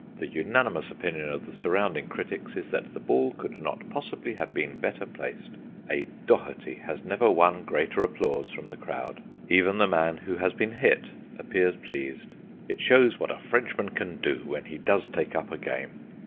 The unanimous opinion of the surrounding critics is that the ball could not possibly have been better placed. A Doherty has never won greater applause from the crowd. Even the man who has been hit appears pleased; it shows what a Frenchman can do when he does take up a game.